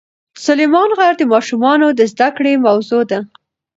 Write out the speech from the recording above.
سلیمان غر د ماشومانو د زده کړې موضوع ده.